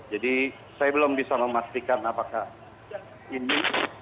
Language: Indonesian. jadi saya belum bisa memastikan apakah ini